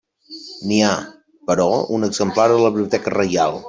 N'hi ha, però, un exemplar a la Biblioteca Reial.